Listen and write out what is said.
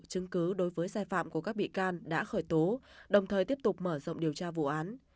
chứng cứ đối với sai phạm của các bị can đã khởi tố đồng thời tiếp tục mở rộng điều tra vụ án